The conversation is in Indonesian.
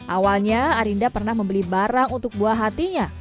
awalnya arinda pernah membeli barang untuk buah hatinya